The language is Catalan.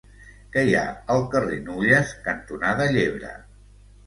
Què hi ha al carrer Nulles cantonada Llebre?